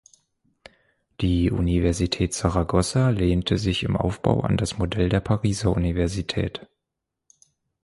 Die Universität Saragossa lehnte sich im Aufbau an das Modell der Pariser Universität.